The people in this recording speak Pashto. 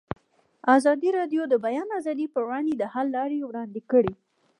ازادي راډیو د د بیان آزادي پر وړاندې د حل لارې وړاندې کړي.